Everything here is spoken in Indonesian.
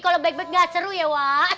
kalau baik baik nggak seru ya wak